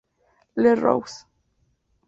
Le Roux